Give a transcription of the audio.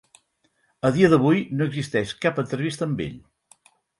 A dia d'avui, no existeix cap entrevista amb ell.